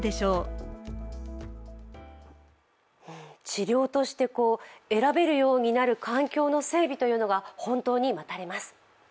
治療として選べるようになる環境の整備というのが本当に待たれます。